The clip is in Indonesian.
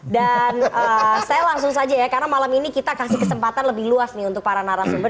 dan saya langsung saja ya karena malam ini kita kasih kesempatan lebih luas nih untuk para narasumber